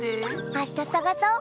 あしたさがそう。